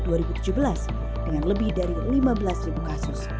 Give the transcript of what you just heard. dengan lebih dari lima belas kasus